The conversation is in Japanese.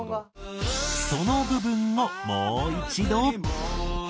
その部分をもう一度。